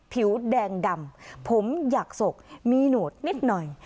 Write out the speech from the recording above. ผิวแดงดำผมอยากศกมีโหนวดนิดหน่อย